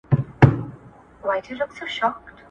انټرنېټ زده کوونکو ته د معلوماتو ترلاسه کول آسانه کوي.